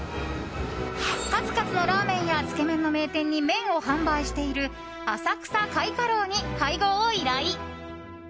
数々のラーメンやつけ麺の名店に麺を販売している浅草開花楼に配合を依頼。